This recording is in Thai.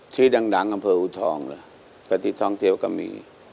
ที่ดังอำเภาอูทองก็ที่ท่องเที่ยวก็มี